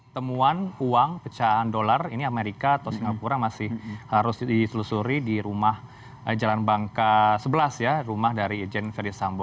temuan uang pecahan dolar ini amerika atau singapura masih harus ditelusuri di rumah jalan bangka sebelas ya rumah dari ijen ferdisambo